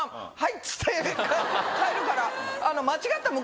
っつって変えるから。